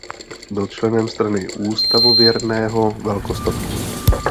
Byl členem Strany ústavověrného velkostatku.